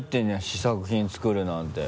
試作品作るなんて。